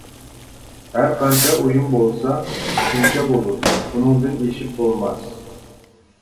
ھەر قانچە ئويۇن بولسا، شۇنچە بولۇر، بۇنىڭدىن ئېشىپ بولماس.